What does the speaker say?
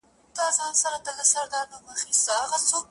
کله نا کله به راتلل ورته د ښار مېلمانه-